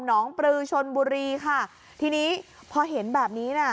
งปลือชนบุรีค่ะทีนี้พอเห็นแบบนี้น่ะ